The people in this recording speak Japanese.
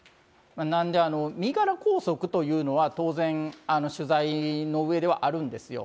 なんで身柄拘束というのは、当然取材の上ではあるんですよ。